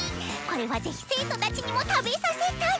これは是非生徒たちにも食べさせたい！